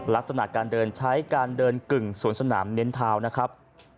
ลักษณะการเดินใช้การเดินกึ่งสวนสนามเน้นเท้านะครับ